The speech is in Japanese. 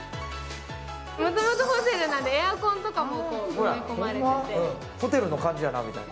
もともとホテルなので、エアコンとかも埋め込まれてて。